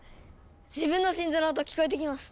自分の心臓の音聞こえてきます。